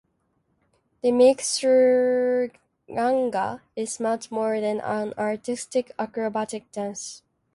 The "muixeranga" is much more than an artistic acrobatic dance.